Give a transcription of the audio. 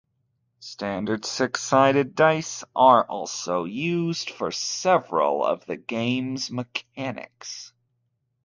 Standard six-sided dice are also used for several of the game's mechanics.